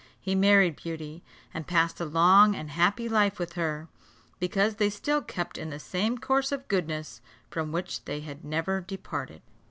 He married Beauty, and passed a long and happy life with her, because they still kept in the same course of goodness from which they had never departed.